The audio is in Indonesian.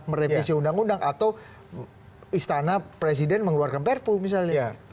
merevisi undang undang atau istana presiden mengeluarkan perpu misalnya